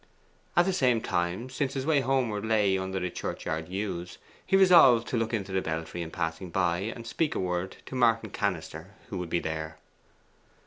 At the same time, since his way homeward lay under the churchyard yews, he resolved to look into the belfry in passing by, and speak a word to Martin Cannister, who would be there.